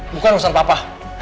bukan perusahaan papa